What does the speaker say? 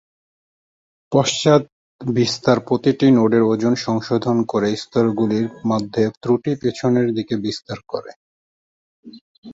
পশ্চাত-বিস্তার প্রতিটি নোডের ওজন সংশোধন করে স্তরগুলির মধ্যে ত্রুটি পেছন দিকে বিস্তার করে।